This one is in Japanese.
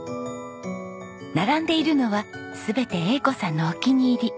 並んでいるのは全て栄子さんのお気に入り。